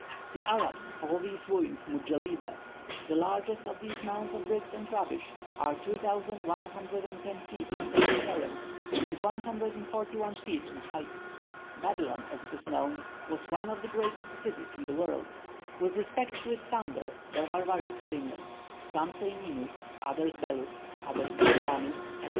The Arabs call these ruins Mujellibe. The largest of these mounds of bricks and rubbish is 2,110 feet in circumference, and 141 feet in height. Babylon, as is known, was one of the greatest cities of the world. With respect to its founder there are various opinions. Some say Ninus, others Belus, others Semiramis, etc.